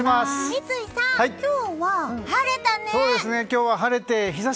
三井さん、今日は晴れたね。